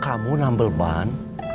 kamu nambel ban